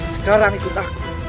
sekarang ikut aku